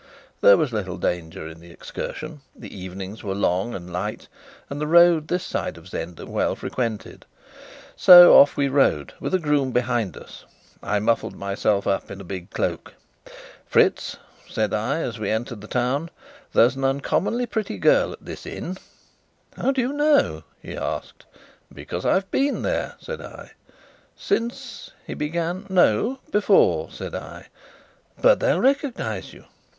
There was little danger in the excursion; the evenings were long and light, and the road this side of Zenda well frequented. So off we rode, with a groom behind us. I muffled myself up in a big cloak. "Fritz," said I, as we entered the town, "there's an uncommonly pretty girl at this inn." "How do you know?" he asked. "Because I've been there," said I. "Since ?" he began. "No. Before," said I. "But they'll recognize you?"